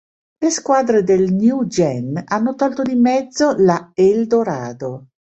Le squadre del New Gen hanno tolto di mezzo la El Dorado.